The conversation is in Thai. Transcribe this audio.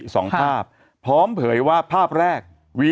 สองภาพพร้อมเผยว่าภาพแรกวี